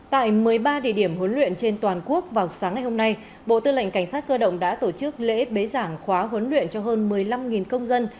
tại một mươi ba địa điểm huấn luyện trên toàn quốc vào sáng ngày hôm nay bộ tư lệnh cảnh sát cơ động đã tổ chức lễ bế giảng khóa huấn luyện cho hơn một mươi năm công dân